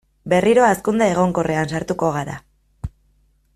Berriro hazkunde egonkorrean sartuko gara.